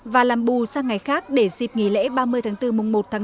và làm bù sang ngày khác để dịp nghỉ lễ ba mươi tháng bốn mùng một tháng năm